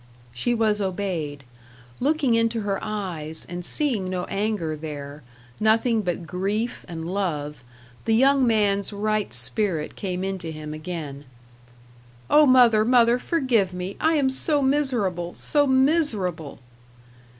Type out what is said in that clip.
She was obeyed. Looking into her eyes, and seeing no anger there, nothing but grief and love, the young man's right spirit came into him again. "O mother, mother, forgive me! I am so miserable so miserable."